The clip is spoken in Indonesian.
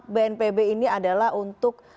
bnpb ini adalah untuk